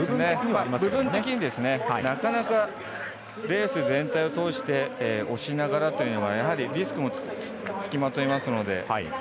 部分的になかなかレース全体を通して押しながらというのはリスクもつきまといますので。